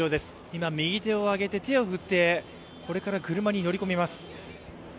今、右手を上げて手を振って、これから車に乗り込みます。